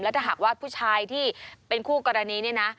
ถ้าหากว่าผู้ชายที่เป็นคู่กรณีเนี่ยนะ